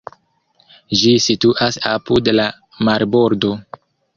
Ĝi situas apud la marbordo.